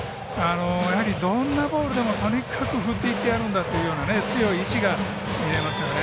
やはり、どんなボールでもとにかく振っていってやるんだという強い意思が見えますね。